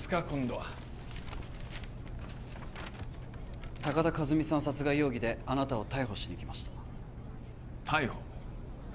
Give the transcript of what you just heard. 今度は高田和美さん殺害容疑であなたを逮捕しに来ました逮捕？